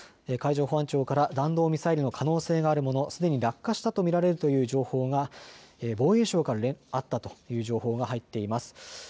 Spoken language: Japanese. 海上保安庁から弾道ミサイルの可能性があるもの、すでに落下したと見られるという情報が防衛省からあったという情報が入っています。